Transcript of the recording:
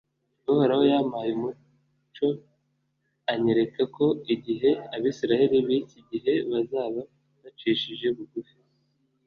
uhoraho yampaye umucyo anyereka ko igihe abisiraheli b'iki gihe bazaba bicishije bugufi